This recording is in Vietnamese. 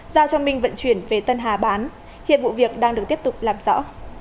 giao cho minh vận chuyển về tân hà bán hiện vụ việc đang được tiếp tục làm rõ